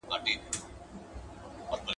او د فرعون په توګه یې د واکمنۍ چاري تر سره کولې